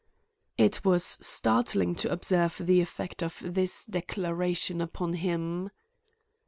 It was startling to observe the effect of this declaration upon him.